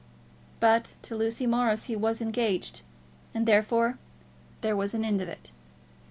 But to Lucy Morris he was engaged, and therefore there was an end of it.